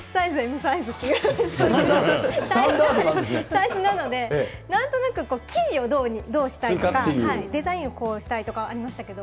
サイズなので、なんとなく生地をどうしたいとか、デザインをこうしたいとかはありましたけど。